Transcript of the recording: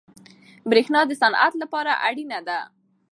برښنا د صنعت لپاره اړینه ده.